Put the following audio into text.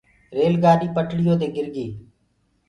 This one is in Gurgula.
ريل گآڏي پٽڙيو دي گِر گيٚ۔